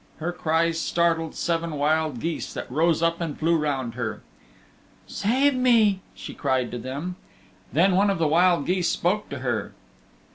Her cries startled seven wild geese that rose up and flew round her. "Save me," she cried to them. Then one of the wild geese spoke to her.